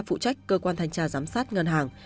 phụ trách cơ quan thanh tra giám sát ngân hàng